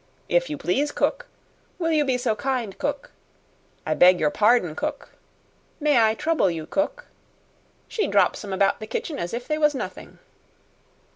'If you please, cook'; 'Will you be so kind, cook?' 'I beg your pardon, cook'; 'May I trouble you, cook?' She drops 'em about the kitchen as if they was nothing."